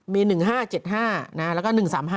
มี๑๕๗๕แล้วก็๑๓๕